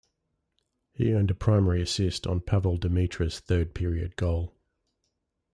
He earned a primary assist on Pavol Demitra's third period goal.